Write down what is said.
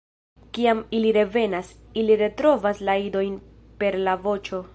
Kiam ili revenas, ili retrovas la idojn per la voĉo.